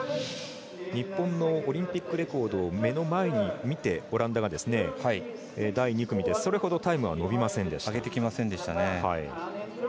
日本のオリンピックレコードを目の前に見てオランダが、第２組でそれほどタイムは伸びませんでした。